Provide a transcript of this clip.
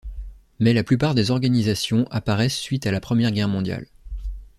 Mais la plupart des organisartion apparaissent suite à la Première Guerre mondiale.